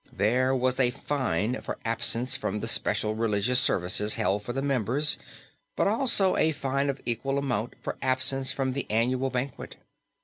There was a fine for absence from the special religious services held for the members but also a fine of equal amount for absence from the annual banquet.